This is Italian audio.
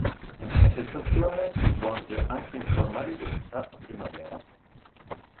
La manifestazione si svolge anche in forma ridotta a primavera.